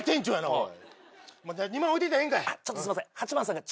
おい！